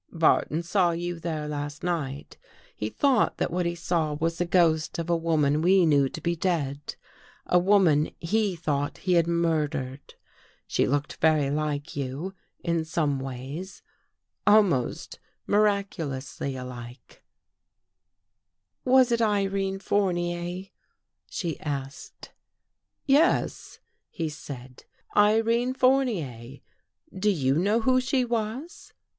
"" Barton saw you there last night. He thought that what he saw was the ghost of a woman we knew to be dead. A woman he thought he had murdered. She looked very like you, in some ways, almost miraculously like." 290 THE WATCHERS AND THE WATCHED "Was it Irene Fournier?" she asked. Yes, he said. Irene Fournier. Do you know who she was?